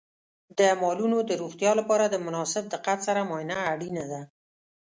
د مالونو د روغتیا لپاره د مناسب دقت سره معاینه اړینه ده.